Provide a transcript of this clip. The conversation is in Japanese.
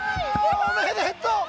おめでとう。